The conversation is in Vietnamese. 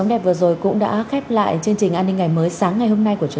những người sống đó kể cả những người trẻ sọ cũng vền vợt sạc lên